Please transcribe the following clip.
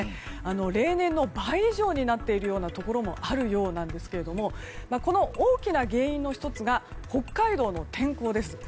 例年の倍以上になっているところもあるようなんですがこの大きな原因の１つが北海道の天候です。